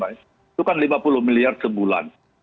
itu kan lima puluh miliar sebulan